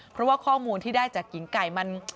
เพราะว่าข้อมูลที่ได้จากหญิงไก่มัน